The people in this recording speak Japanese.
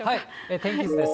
天気図です。